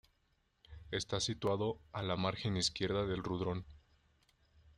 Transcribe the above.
Está situado a la margen izquierda del Rudrón.